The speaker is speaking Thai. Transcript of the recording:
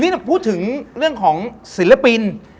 นี่พูดถึงเรื่องของศิลปิน